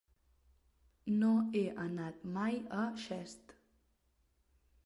No he anat mai a Xest.